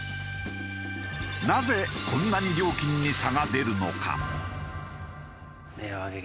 なぜこんなに料金に差が出るのか？